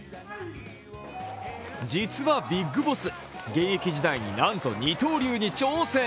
実はビッグボス、現役時代になんと二刀流に挑戦。